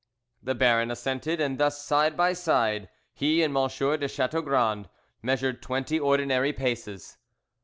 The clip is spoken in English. The Baron assented, and thus side by side he and M. de Chateaugrand measured twenty ordinary paces.